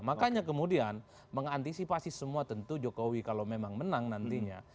makanya kemudian mengantisipasi semua tentu jokowi kalau memang menang nantinya